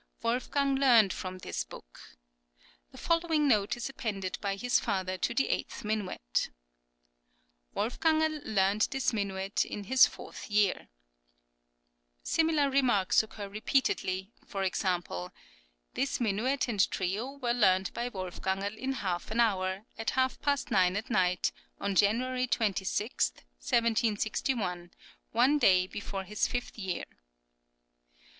Wolfgang learned from this book. The following note is appended by his father to the eighth minuet: "Wolfgangerl learned this minuet in his fourth year." Similar remarks occur repeatedly; e.g., "This minuet and trio were learned by Wolfgangerl in half an hour, at half past nine at night, on January 26, 1761, one day before his fifth year."